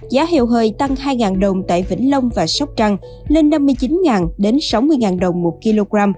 giá heo hơi tăng hai đồng tại vĩnh long và sóc trăng lên năm mươi chín sáu mươi đồng một kg